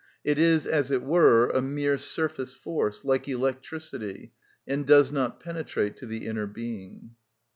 It is, as it were, a mere surface force, like electricity, and does not penetrate to the inner being.